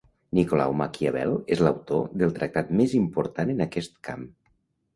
Nicolau Maquiavel és l'autor del tractat més important en aquest camp.